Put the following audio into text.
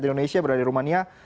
indonesia berada di rumania